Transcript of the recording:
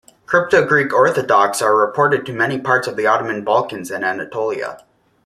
Crypto-Greek Orthodox are reported to many parts of the Ottoman Balkans and Anatolia.